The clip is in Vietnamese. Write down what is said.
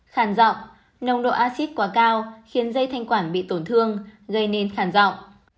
khàn rọng nông độ axit quá cao khiến dây thanh quản bị tổn thương gây nên khàn rọng